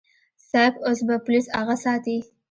صيب اوس به پوليس اغه ساتي.